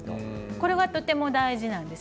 これがとても大事なんです。